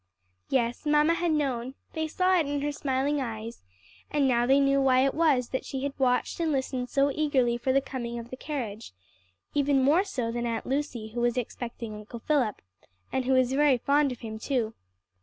"Yes, mamma had known; they saw it in her smiling eyes; and now they knew why it was that she had watched and listened so eagerly for the coming of the carriage; even more so than Aunt Lucy, who was expecting Uncle Philip, and who was very fond of him too.